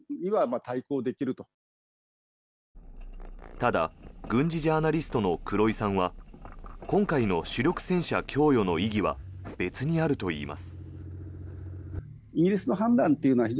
ただ軍事ジャーナリストの黒井さんは今回の主力戦車供与の意義は別にあるといいます。